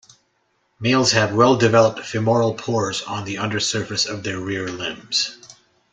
Males have well-developed femoral pores on the undersurface of their rear limbs.